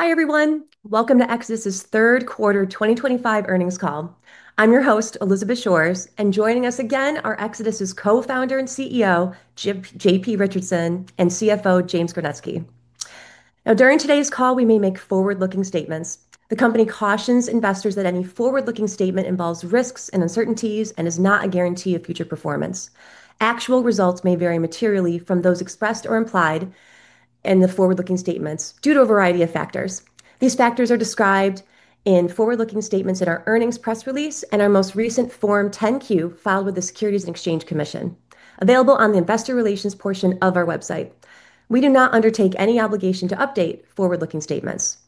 Hi everyone, welcome to Exodus' Third Quarter 2025 Earnings Call. I'm your host, Elizabeth Shores, and joining us again are Exodus' Co-founder and CEO, JP Richardson, and CFO, James Gernetzke. Now, during today's call, we may make forward-looking statements. The company cautions investors that any forward-looking statement involves risks and uncertainties and is not a guarantee of future performance. Actual results may vary materially from those expressed or implied in the forward-looking statements due to a variety of factors. These factors are described in forward-looking statements in our earnings press release and our most recent Form 10Q filed with the Securities and Exchange Commission, available on the investor relations portion of our website. We do not undertake any obligation to update forward-looking statements.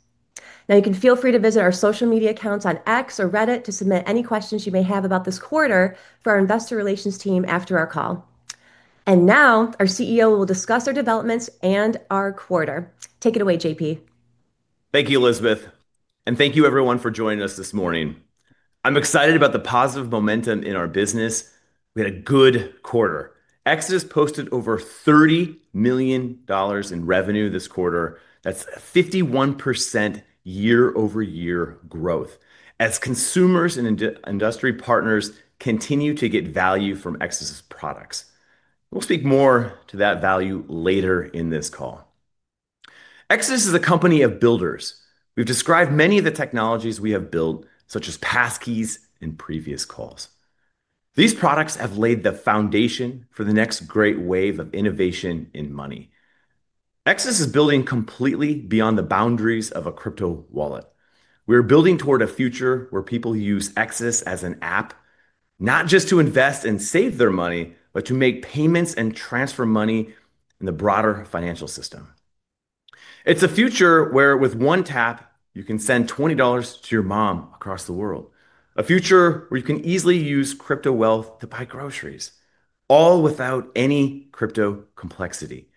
Now, you can feel free to visit our social media accounts on X or Reddit to submit any questions you may have about this quarter for our investor relations team after our call. Our CEO will discuss our developments and our quarter. Take it away, JP. Thank you, Elizabeth, and thank you everyone for joining us this morning. I'm excited about the positive momentum in our business. We had a good quarter. Exodus posted over $30 million in revenue this quarter. That's a 51% year-over-year growth as consumers and industry partners continue to get value from Exodus' products. We'll speak more to that value later in this call. Exodus is a company of builders. We've described many of the technologies we have built, such as Passkeys in previous calls. These products have laid the foundation for the next great wave of innovation in money. Exodus is building completely beyond the boundaries of a crypto wallet. We are building toward a future where people use Exodus as an app, not just to invest and save their money, but to make payments and transfer money in the broader financial system. It's a future where, with one tap, you can send $20 to your mom across the world. A future where you can easily use crypto wealth to buy groceries, all without any crypto complexity.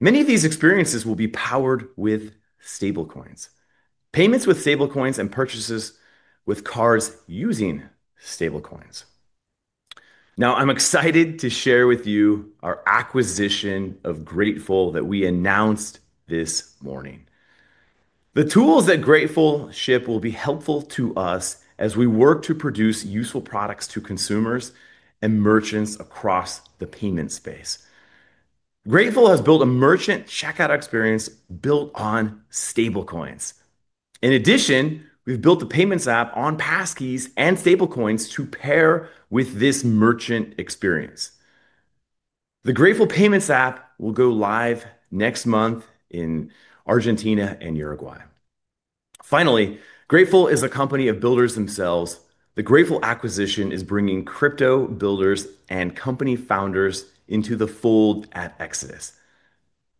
Many of these experiences will be powered with stablecoins, payments with stablecoins, and purchases with cards using stablecoins. Now, I'm excited to share with you our acquisition of Grateful that we announced this morning. The tools that Grateful ship will be helpful to us as we work to produce useful products to consumers and merchants across the payment space. Grateful has built a merchant checkout experience built on stablecoins. In addition, we've built the payments app on Passkeys and stablecoins to pair with this merchant experience. The Grateful payments app will go live next month in Argentina and Uruguay. Finally, Grateful is a company of builders themselves. The Grateful acquisition is bringing crypto builders and company founders into the fold at Exodus.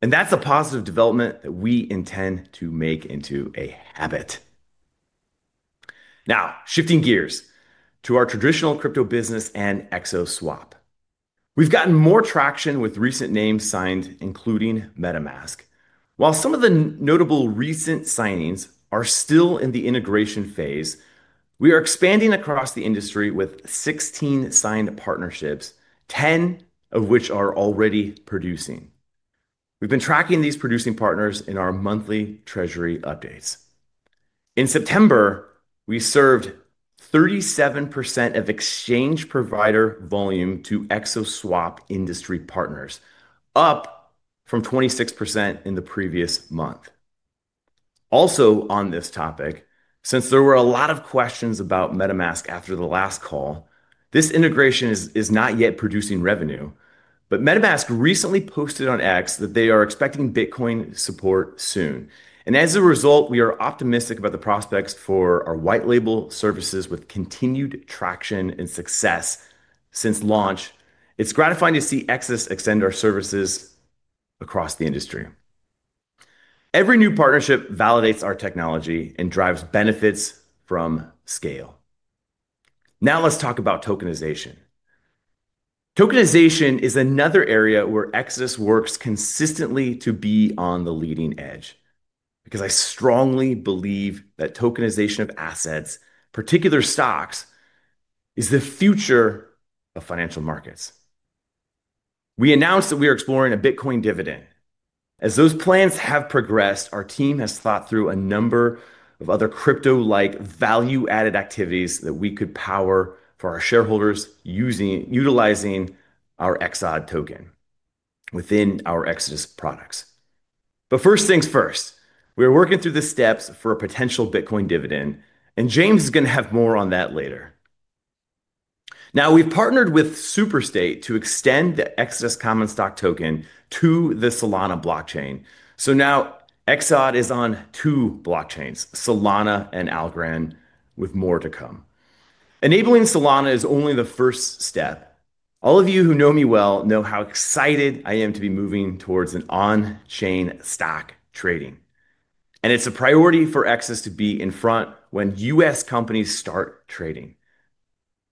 That is a positive development that we intend to make into a habit. Now, shifting gears to our traditional crypto business and XO Swap. We have gotten more traction with recent names signed, including MetaMask. While some of the notable recent signings are still in the integration phase, we are expanding across the industry with 16 signed partnerships, 10 of which are already producing. We have been tracking these producing partners in our monthly treasury updates. In September, we served 37% of exchange provider volume to XO Swap industry partners, up from 26% in the previous month. Also on this topic, since there were a lot of questions about MetaMask after the last call, this integration is not yet producing revenue, but MetaMask recently posted on X that they are expecting Bitcoin support soon. As a result, we are optimistic about the prospects for our white label services with continued traction and success since launch. It is gratifying to see Exodus extend our services across the industry. Every new partnership validates our technology and drives benefits from scale. Now let's talk about tokenization. Tokenization is another area where Exodus works consistently to be on the leading edge because I strongly believe that tokenization of assets, particular stocks, is the future of financial markets. We announced that we are exploring a Bitcoin dividend. As those plans have progressed, our team has thought through a number of other crypto-like value-added activities that we could power for our shareholders utilizing our Exodus token within our Exodus products. First things first, we are working through the steps for a potential Bitcoin dividend, and James is going to have more on that later. Now, we've partnered with Superstate to extend the Exodus common stock token to the Solana blockchain. So now Exodus is on two blockchains, Solana and Algorand, with more to come. Enabling Solana is only the first step. All of you who know me well know how excited I am to be moving towards an on-chain stock trading. And it's a priority for Exodus to be in front when U.S. companies start trading.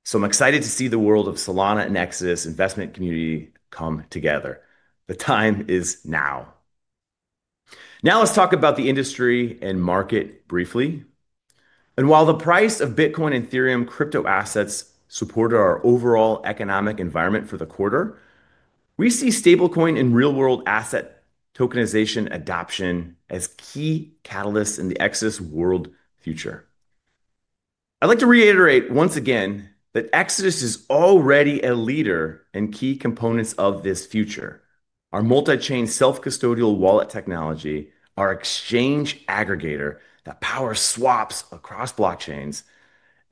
So I'm excited to see the world of Solana and Exodus investment community come together. The time is now. Now let's talk about the industry and market briefly. And while the price of Bitcoin and Ethereum crypto assets supported our overall economic environment for the quarter, we see stablecoin and real-world asset tokenization adoption as key catalysts in the Exodus world future. I'd like to reiterate once again that Exodus is already a leader in key components of this future. Our multi-chain self-custodial wallet technology, our exchange aggregator that powers swaps across blockchains,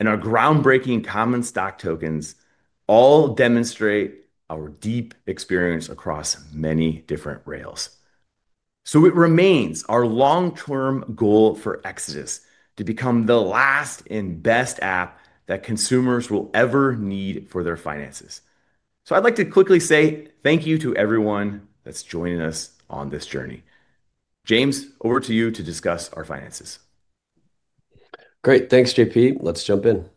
and our groundbreaking common stock tokens all demonstrate our deep experience across many different rails. It remains our long-term goal for Exodus to become the last and best app that consumers will ever need for their finances. I'd like to quickly say thank you to everyone that's joining us on this journey. James, over to you to discuss our finances. Great. Thanks, JP. Let's jump in.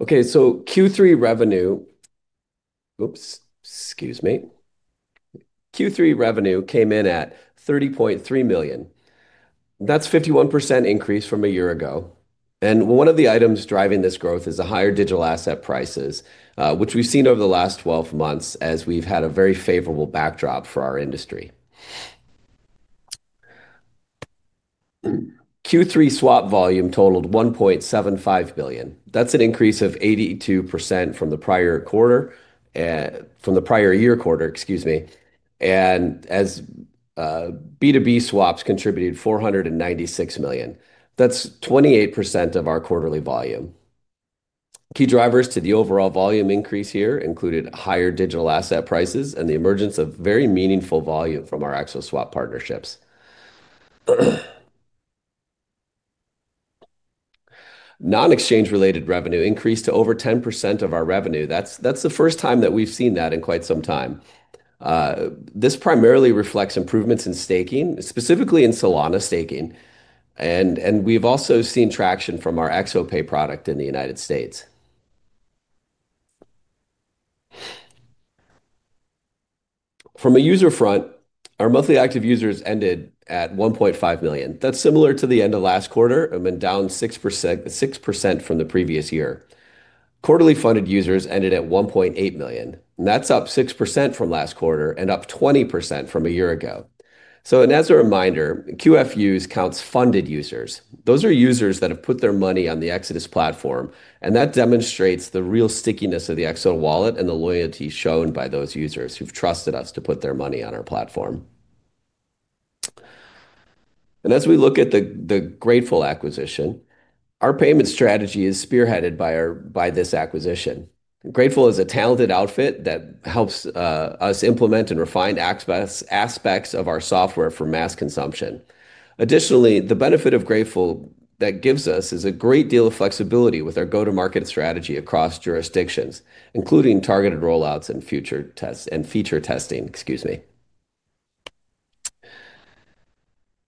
Okay, so Q3 revenue, oops, excuse me. Q3 revenue came in at $30.3 million. That's a 51% increase from a year ago. One of the items driving this growth is the higher digital asset prices, which we've seen over the last 12 months as we've had a very favorable backdrop for our industry. Q3 swap volume totaled $1.75 billion. That's an increase of 82% from the prior year quarter, excuse me. As B2B swaps contributed $496 million. That's 28% of our quarterly volume. Key drivers to the overall volume increase here included higher digital asset prices and the emergence of very meaningful volume from our XO Swap partnerships. Non-exchange-related revenue increased to over 10% of our revenue. That's the first time that we've seen that in quite some time. This primarily reflects improvements in staking, specifically in Solana staking. We have also seen traction from our XO Pay product in the United States. From a user front, our monthly active users ended at 1.5 million. That is similar to the end of last quarter and went down 6% from the previous year. Quarterly funded users ended at 1.8 million. That is up 6% from last quarter and up 20% from a year ago. As a reminder, QFUs counts funded users. Those are users that have put their money on the Exodus platform. That demonstrates the real stickiness of the Exodus wallet and the loyalty shown by those users who have trusted us to put their money on our platform. As we look at the Grateful acquisition, our payment strategy is spearheaded by this acquisition. Grateful is a talented outfit that helps us implement and refine aspects of our software for mass consumption. Additionally, the benefit of Grateful that gives us is a great deal of flexibility with our go-to-market strategy across jurisdictions, including targeted rollouts and feature testing, excuse me.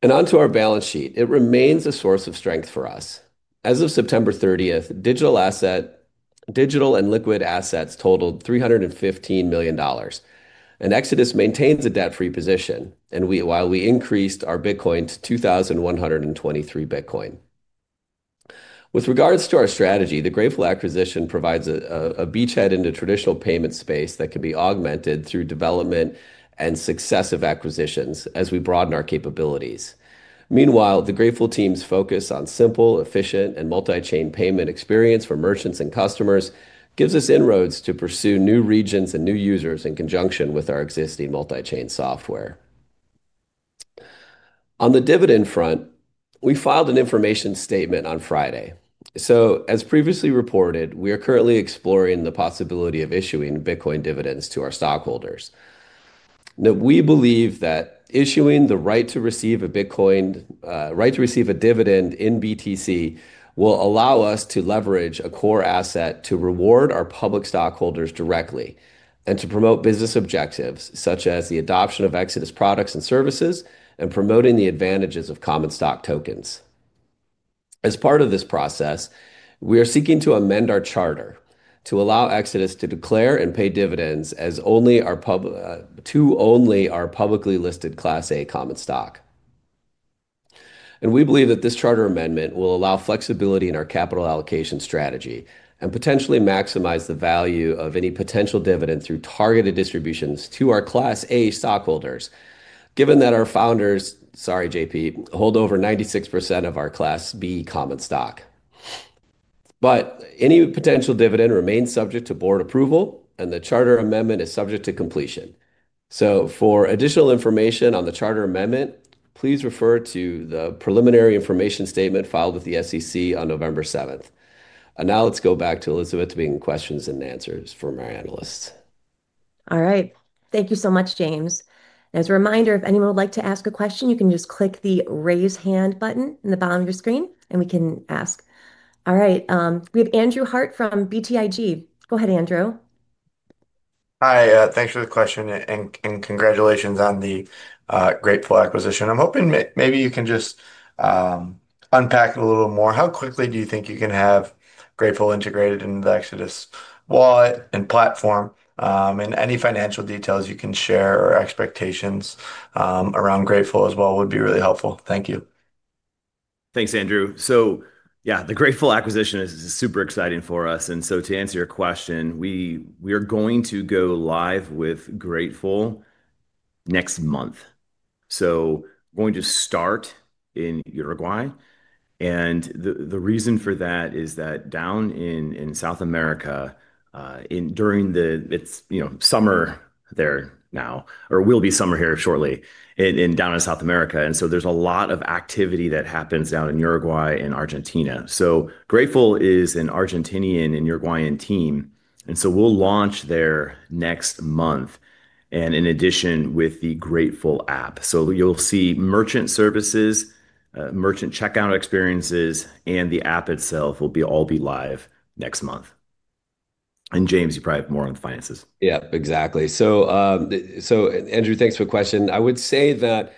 Our balance sheet remains a source of strength for us. As of September 30, digital and liquid assets totaled $315 million. Exodus maintains a debt-free position while we increased our Bitcoin to 2,123 Bitcoin. With regards to our strategy, the Grateful acquisition provides a beachhead into traditional payment space that can be augmented through development and successive acquisitions as we broaden our capabilities. Meanwhile, the Grateful team's focus on simple, efficient, and multi-chain payment experience for merchants and customers gives us inroads to pursue new regions and new users in conjunction with our existing multi-chain software. On the dividend front, we filed an information statement on Friday. As previously reported, we are currently exploring the possibility of issuing Bitcoin dividends to our stockholders. We believe that issuing the right to receive a dividend in BTC will allow us to leverage a core asset to reward our public stockholders directly and to promote business objectives such as the adoption of Exodus products and services and promoting the advantages of common stock tokens. As part of this process, we are seeking to amend our charter to allow Exodus to declare and pay dividends only to our publicly listed Class A common stock. We believe that this charter amendment will allow flexibility in our capital allocation strategy and potentially maximize the value of any potential dividend through targeted distributions to our Class A stockholders, given that our founders, sorry, JP, hold over 96% of our Class B common stock. Any potential dividend remains subject to board approval, and the charter amendment is subject to completion. For additional information on the charter amendment, please refer to the preliminary information statement filed with the SEC on November 7th. Now let's go back to Elizabeth to begin questions and answers for our analysts. All right. Thank you so much, James. As a reminder, if anyone would like to ask a question, you can just click the raise hand button in the bottom of your screen, and we can ask. All right. We have Andrew Harte from BTIG. Go ahead, Andrew. Hi. Thanks for the question. Congratulations on the Grateful acquisition. I'm hoping maybe you can just unpack it a little more. How quickly do you think you can have Grateful integrated into the Exodus wallet and platform? Any financial details you can share or expectations around Grateful as well would be really helpful. Thank you. Thanks, Andrew. Yeah, the Grateful acquisition is super exciting for us. To answer your question, we are going to go live with Grateful next month. We're going to start in Uruguay. The reason for that is that down in South America, it is summer there now, or will be summer here shortly, down in South America. There is a lot of activity that happens down in Uruguay and Argentina. Grateful is an Argentinian and Uruguayan team. We'll launch there next month in addition with the Grateful app. You'll see merchant services, merchant checkout experiences, and the app itself will all be live next month. James, you probably have more on the finances. Yeah, exactly. Andrew, thanks for the question. I would say that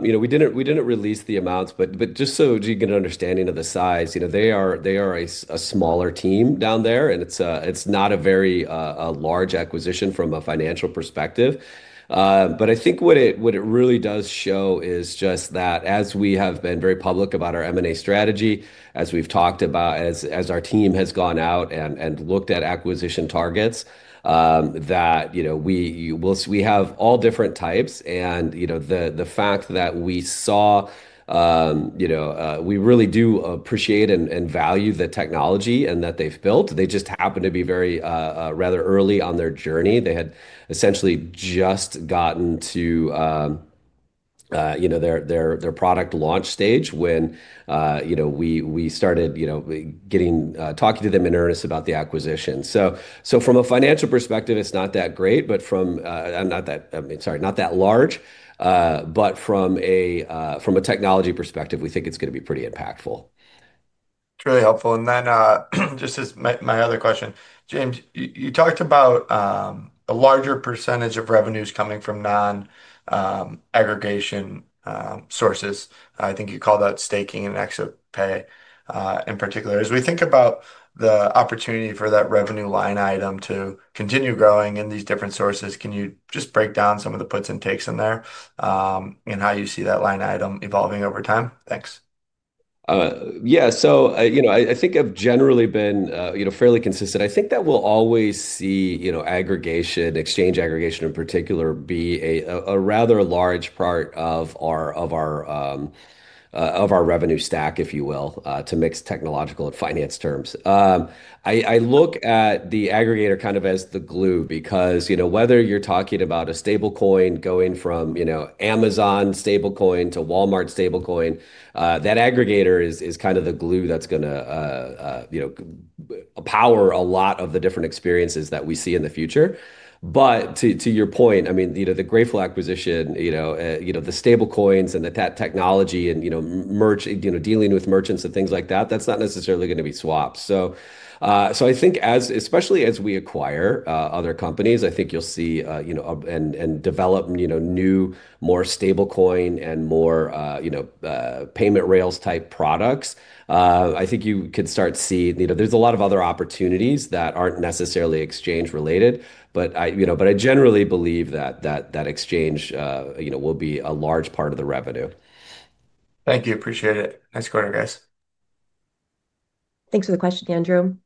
we didn't release the amounts, but just so you get an understanding of the size, they are a smaller team down there. It is not a very large acquisition from a financial perspective. I think what it really does show is just that as we have been very public about our M&A strategy, as we've talked about, as our team has gone out and looked at acquisition targets, we have all different types. The fact that we saw, we really do appreciate and value the technology that they've built. They just happened to be rather early on their journey. They had essentially just gotten to their product launch stage when we started talking to them in earnest about the acquisition. From a financial perspective, it's not that great, but from, not that, I mean, sorry, not that large, but from a technology perspective, we think it's going to be pretty impactful. It's really helpful. And then just as my other question, James, you talked about a larger percentage of revenues coming from non-aggregation sources. I think you call that staking and XO Pay in particular. As we think about the opportunity for that revenue line item to continue growing in these different sources, can you just break down some of the puts and takes in there and how you see that line item evolving over time? Thanks. Yeah. So I think I've generally been fairly consistent. I think that we'll always see aggregation, exchange aggregation in particular, be a rather large part of our revenue stack, if you will, to mix technological and finance terms. I look at the aggregator kind of as the glue because whether you're talking about a stablecoin going from Amazon stablecoin to Walmart stablecoin, that aggregator is kind of the glue that's going to power a lot of the different experiences that we see in the future. To your point, I mean, the Grateful acquisition, the stablecoins and that technology and dealing with merchants and things like that, that's not necessarily going to be swaps. I think especially as we acquire other companies, I think you'll see and develop new, more stablecoin and more payment rails type products. I think you could start to see there's a lot of other opportunities that aren't necessarily exchange related. I generally believe that exchange will be a large part of the revenue. Thank you. Appreciate it. Nice quarter, guys. Thanks for the question, Andrew.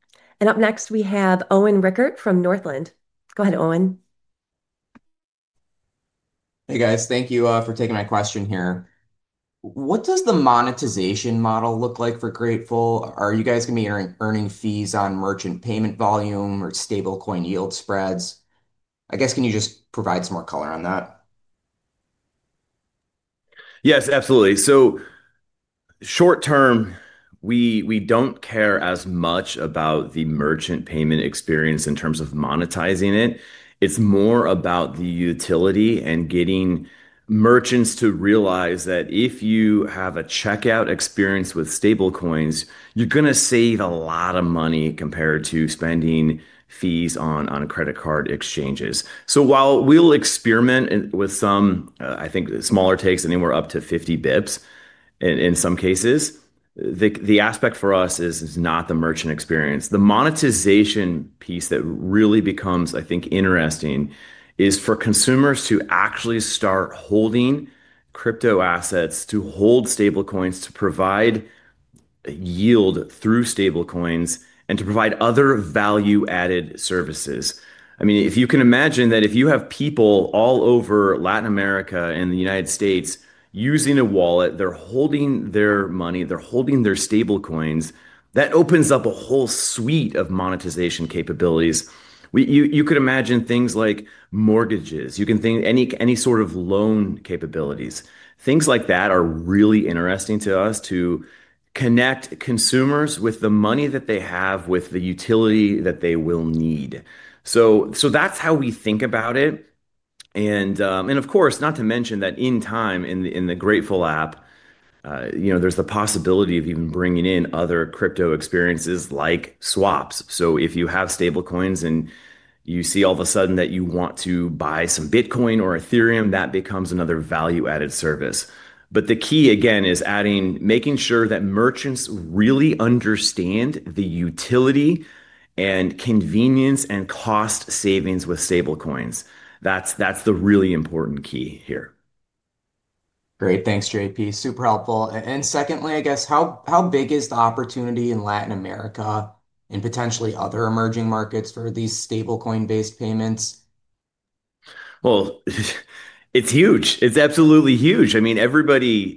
Up next, we have Owen Rickert from Northland. Go ahead, Owen. Hey, guys. Thank you for taking my question here. What does the monetization model look like for Grateful? Are you guys going to be earning fees on merchant payment volume or stablecoin yield spreads? I guess, can you just provide some more color on that? Yes, absolutely. Short term, we don't care as much about the merchant payment experience in terms of monetizing it. It's more about the utility and getting merchants to realize that if you have a checkout experience with stablecoins, you're going to save a lot of money compared to spending fees on credit card exchanges. While we'll experiment with some, I think, smaller takes anywhere up to 50 basis points in some cases, the aspect for us is not the merchant experience. The monetization piece that really becomes, I think, interesting is for consumers to actually start holding crypto assets, to hold stablecoins, to provide yield through stablecoins, and to provide other value-added services. I mean, if you can imagine that if you have people all over Latin America and the United States using a wallet, they're holding their money, they're holding their stablecoins, that opens up a whole suite of monetization capabilities. You could imagine things like mortgages. You can think any sort of loan capabilities. Things like that are really interesting to us to connect consumers with the money that they have with the utility that they will need. That is how we think about it. Of course, not to mention that in time, in the Grateful app, there is the possibility of even bringing in other crypto experiences like swaps. If you have stablecoins and you see all of a sudden that you want to buy some Bitcoin or Ethereum, that becomes another value-added service. The key, again, is making sure that merchants really understand the utility and convenience and cost savings with stablecoins. That's the really important key here. Great. Thanks, JP. Super helpful. Secondly, I guess, how big is the opportunity in Latin America and potentially other emerging markets for these stablecoin-based payments? It's huge. It's absolutely huge. I mean, everybody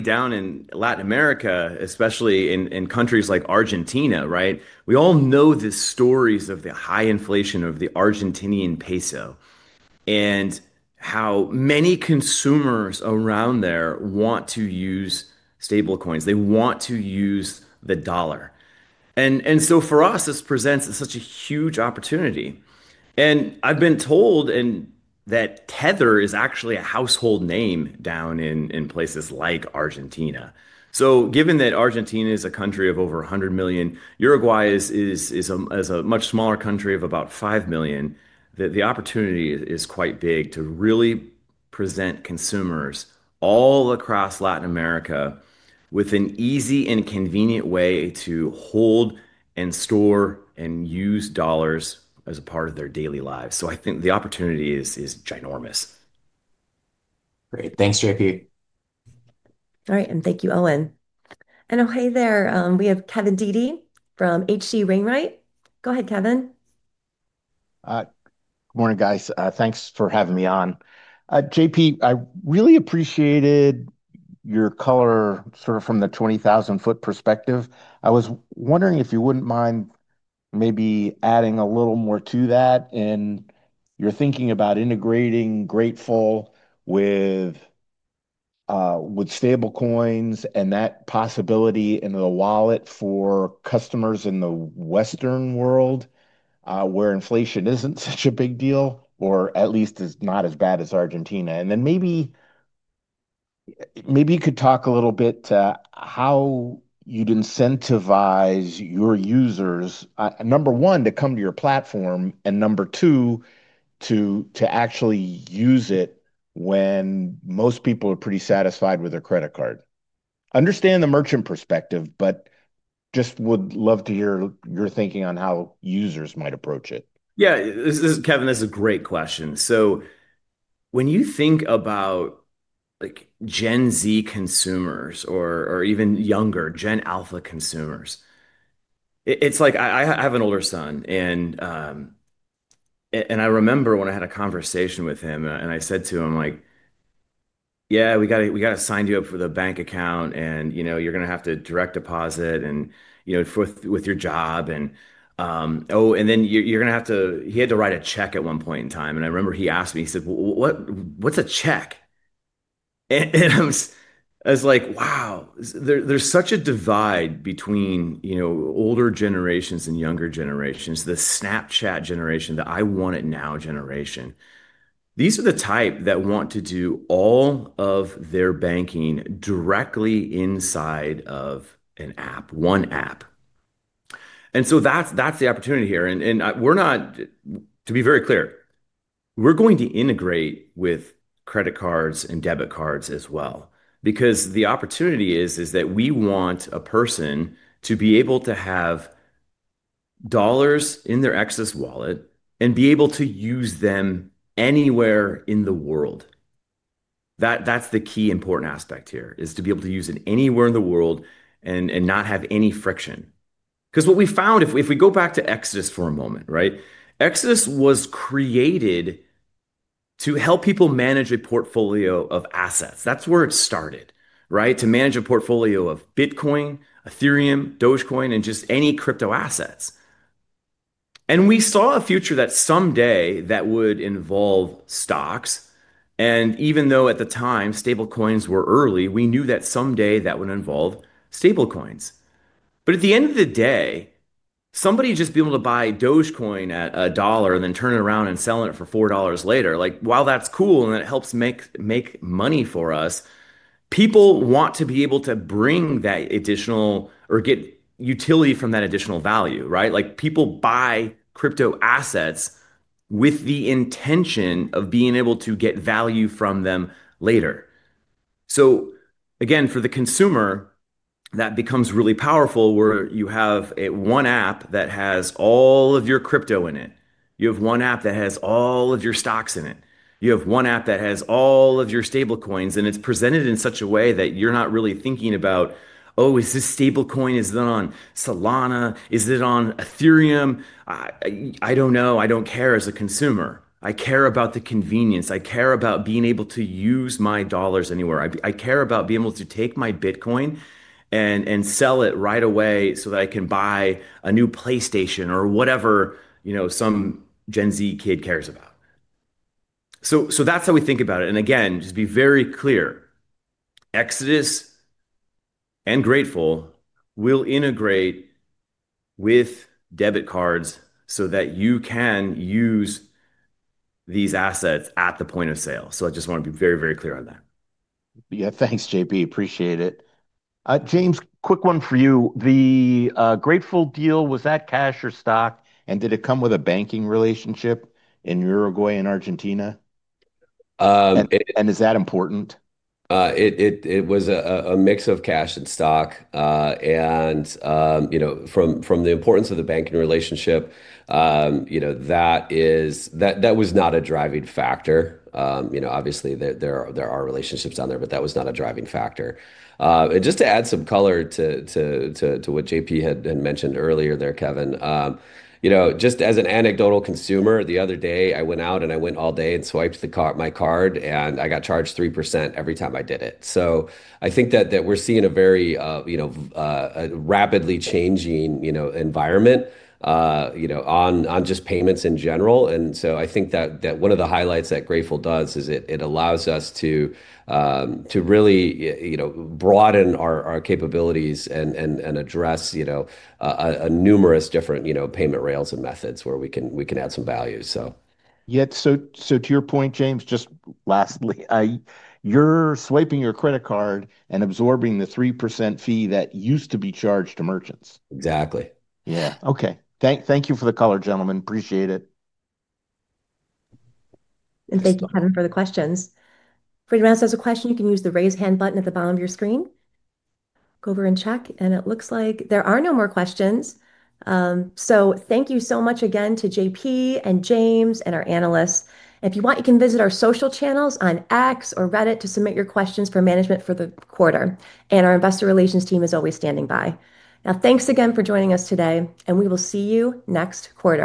down in Latin America, especially in countries like Argentina, right? We all know the stories of the high inflation of the Argentinian peso and how many consumers around there want to use stablecoins. They want to use the dollar. For us, this presents such a huge opportunity. I've been told that Tether is actually a household name down in places like Argentina. Given that Argentina is a country of over 100 million, Uruguay is a much smaller country of about 5 million, the opportunity is quite big to really present consumers all across Latin America with an easy and convenient way to hold and store and use dollars as a part of their daily lives. I think the opportunity is ginormous. Great. Thanks, JP. All right. Thank you, Owen. Oh, hey there. We have Kevin Dede from H.C. Wainwright. Go ahead, Kevin. Good morning, guys. Thanks for having me on. JP, I really appreciated your color sort of from the 20,000-foot perspective. I was wondering if you wouldn't mind maybe adding a little more to that in your thinking about integrating Grateful with stablecoins and that possibility in the wallet for customers in the Western world where inflation isn't such a big deal, or at least is not as bad as Argentina. Maybe you could talk a little bit to how you'd incentivize your users, number one, to come to your platform, and number two, to actually use it when most people are pretty satisfied with their credit card. I understand the merchant perspective, but just would love to hear your thinking on how users might approach it. Yeah. Kevin, that's a great question. When you think about Gen Z consumers or even younger Gen Alpha consumers, it's like I have an older son. I remember when I had a conversation with him, and I said to him, like, "Yeah, we got to sign you up for the bank account, and you're going to have to direct deposit with your job." Oh, and then you're going to have to—he had to write a check at one point in time. I remember he asked me, he said, "What's a check?" I was like, "Wow." There's such a divide between older generations and younger generations, the Snapchat generation, the I Want It Now generation. These are the type that want to do all of their banking directly inside of an app, one app. That's the opportunity here. We're not, to be very clear, we're going to integrate with credit cards and debit cards as well. The opportunity is that we want a person to be able to have dollars in their Exodus wallet and be able to use them anywhere in the world. That's the key important aspect here, to be able to use it anywhere in the world and not have any friction. What we found, if we go back to Exodus for a moment, right? Exodus was created to help people manage a portfolio of assets. That's where it started, right? To manage a portfolio of Bitcoin, Ethereum, Dogecoin, and just any crypto assets. We saw a future that someday that would involve stocks. Even though at the time stablecoins were early, we knew that someday that would involve stablecoins. At the end of the day, somebody just being able to buy Dogecoin at a dollar and then turn it around and sell it for $4 later, while that's cool and it helps make money for us, people want to be able to bring that additional or get utility from that additional value, right? People buy crypto assets with the intention of being able to get value from them later. Again, for the consumer, that becomes really powerful where you have one app that has all of your crypto in it. You have one app that has all of your stocks in it. You have one app that has all of your stablecoins. It's presented in such a way that you're not really thinking about, "Oh, is this stablecoin? Is it on Solana? Is it on Ethereum?" I don't know. I don't care as a consumer. I care about the convenience. I care about being able to use my dollars anywhere. I care about being able to take my Bitcoin and sell it right away so that I can buy a new PlayStation or whatever some Gen Z kid cares about. That is how we think about it. Again, just to be very clear, Exodus and Grateful will integrate with debit cards so that you can use these assets at the point of sale. I just want to be very, very clear on that. Yeah. Thanks, JP. Appreciate it. James, quick one for you. The Grateful deal, was that cash or stock? Did it come with a banking relationship in Uruguay and Argentina? Is that important? It was a mix of cash and stock. From the importance of the banking relationship, that was not a driving factor. Obviously, there are relationships down there, but that was not a driving factor. Just to add some color to what JP had mentioned earlier there, Kevin, just as an anecdotal consumer, the other day, I went out and I went all day and swiped my card, and I got charged 3% every time I did it. I think that we're seeing a very rapidly changing environment on just payments in general. I think that one of the highlights that Grateful does is it allows us to really broaden our capabilities and address numerous different payment rails and methods where we can add some value. Yeah. To your point, James, just lastly, you're swiping your credit card and absorbing the 3% fee that used to be charged to merchants. Exactly. Yeah. Okay. Thank you for the color, gentlemen. Appreciate it. Thank you, Kevin, for the questions. For anyone else that has a question, you can use the raise hand button at the bottom of your screen. Go over and check. It looks like there are no more questions. Thank you so much again to JP and James and our analysts. If you want, you can visit our social channels on X or Reddit to submit your questions for management for the quarter. Our investor relations team is always standing by. Thank you again for joining us today. We will see you next quarter.